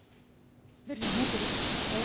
ベルさん持ってる？え？